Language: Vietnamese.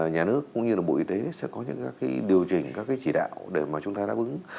nhà nước cũng như là bộ y tế sẽ có những các cái điều chỉnh các cái chỉ đạo để mà chúng ta đáp ứng